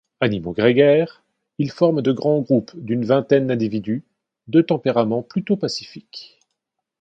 Animaux grégaires, ils forment de grands groupes d’une vingtaine d’individus de tempérament plutôt pacifique.